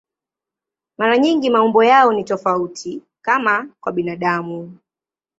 Mara nyingi maumbo yao ni tofauti, kama kwa binadamu.